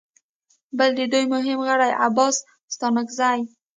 بل د دوی مهم غړي عباس ستانکزي